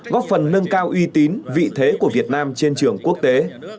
góp phần nâng cao uy tín vị thế của việt nam trên trường quốc tế